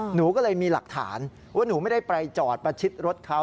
หนูก็เลยมีหลักฐานว่าหนูไม่ได้ไปจอดประชิดรถเขา